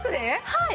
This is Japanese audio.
はい。